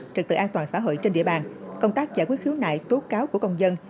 trực tự an toàn xã hội trên địa bàn công tác giải quyết khiếu nại tố cáo của công dân